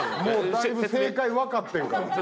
だいぶ正解分かってんから。